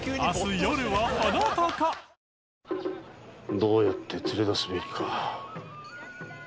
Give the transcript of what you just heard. どうやって連れ出すべきか。